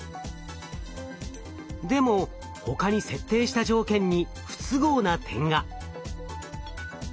でも他に設定した条件に不都合な点が。